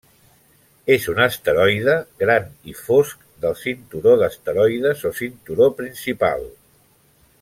És un asteroide gran i fosc del cinturó d'asteroides o cinturó principal.